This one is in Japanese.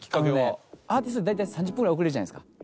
あのねアーティストって大体３０分ぐらい遅れるじゃないですか。